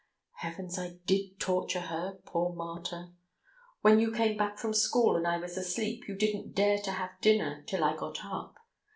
Heavens! I did torture her, poor martyr! When you came back from school and I was asleep you didn't dare to have dinner till I got up.